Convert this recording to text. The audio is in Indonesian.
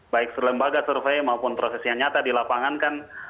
baik lembaga survei maupun proses yang nyata di lapangan kan